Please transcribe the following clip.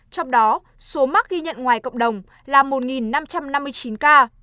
trong đó số mắc ghi nhận ngoài cộng đồng là một năm trăm năm mươi chín ca